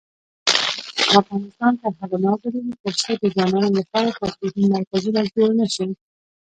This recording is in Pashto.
افغانستان تر هغو نه ابادیږي، ترڅو د ځوانانو لپاره تفریحي مرکزونه جوړ نشي.